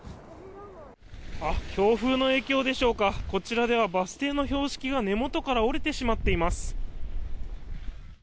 強風の影響でしょうかこちらではバス停の標識が根元から折れてしまっています。